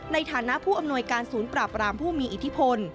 ในฐานะผู้อำนวยการศูนย์ปราบรามผู้มีอิทธิพล